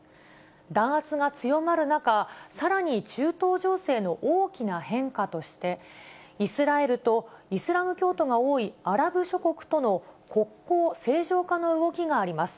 弾圧が強まる中、さらに中東情勢の大きな変化として、イスラエルとイスラム教徒が多いアラブ諸国との国交正常化の動きがあります。